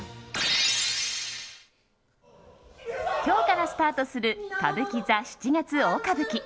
今日からスタートする歌舞伎座「七月大歌舞伎」。